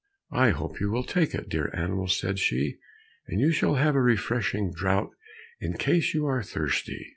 "I hope you will like it, dear animals," said she, "and you shall have a refreshing draught in case you are thirsty."